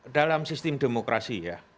dalam sistem demokrasi ya